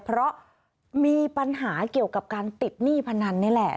เพราะมีปัญหาเกี่ยวกับการติดหนี้พนันนี่แหละ